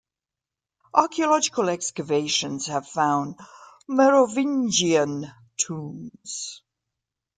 Archaeological excavations have found Merovingian tombs.